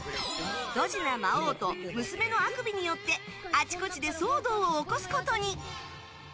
どじな魔王と娘のアクビによってあちこちで騒動を起こすことに。